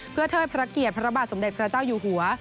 เพื่อเทิดพระเกียรติพระบาทสมเด็จพระเจ้าอยู่หัว